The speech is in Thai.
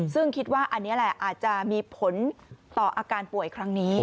ซึ่งคิดว่าอันนี้แหละอาจจะมีผลต่ออาการป่วยครั้งนี้